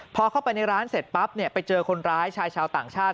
พอเข้าไปในร้านเสร็จปั๊บไปเจอคนร้ายชายชาวต่างชาติ